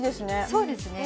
そうですね